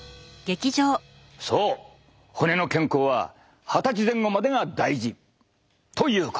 そう骨の健康は二十歳前後までが大事！ということだ。